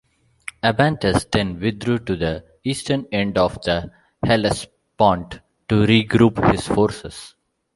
Abantus then withdrew to the eastern end of the Hellespont to regroup his forces.